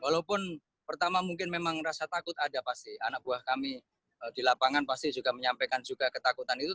walaupun pertama mungkin memang rasa takut ada pasti anak buah kami di lapangan pasti juga menyampaikan juga ketakutan itu